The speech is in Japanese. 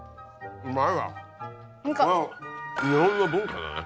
うまい。